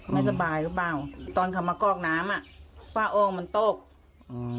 ไม่สบายหรือเปล่าตอนเขามากอกน้ำอ่ะป้าอ้องมันตกอืม